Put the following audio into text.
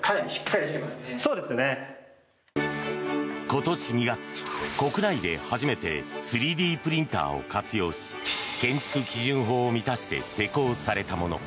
今年２月、国内で初めて３Ｄプリンターを活用し建築基準法を満たして施工されたもの。